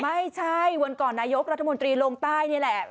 ไม่ใช่วันก่อนนายกรัฐมนตรีลงใต้นี่แหละ